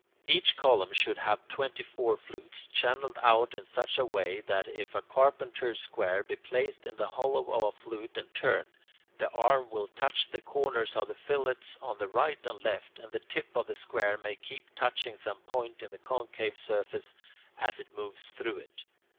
Each column should have twenty four flutes, channelled out in such a way that if a carpenter's square be placed in the hollow of a flute and turned, the arm will touch the corners of the fillets on the right and left, and the tip of the square may keep touching some point in the concave surface as it moves through it.